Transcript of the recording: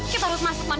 kita harus masuk man